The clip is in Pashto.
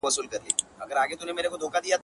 ټکي لوېږي د ورورۍ پر کړۍ ورو ورو.!